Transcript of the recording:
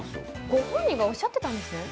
ご本人がおっしゃっていたんですか？